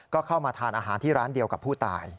ก็เข้ามาทานอาหารที่ร้านเดียวกับผู้ตาย